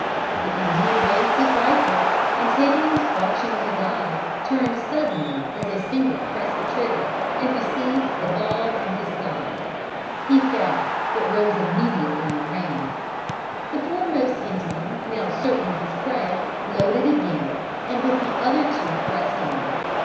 "The Indian raised his rifle, and Higgins, watching his eye, turned suddenly as his finger pressed the trigger, and received the ball in his thigh. He fell, but rose immediately and ran. The foremost Indian, now certain of his prey, loaded again, and with the other two pressed on.